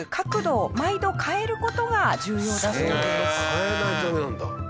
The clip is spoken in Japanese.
変えないとダメなんだ。